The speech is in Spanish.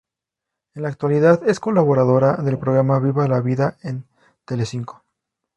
En la actualidad es colaboradora del programa Viva la Vida en Telecinco.